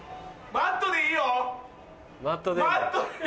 マットでいいよ。